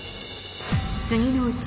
次のうち・